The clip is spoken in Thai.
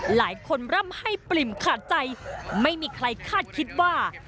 หลายคนร่ำให้ปริ่มขาดใจไม่มีใครคาดคิดว่า